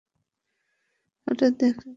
হঠাৎ দেখা পেয়ে খুব ভালো লাগছে!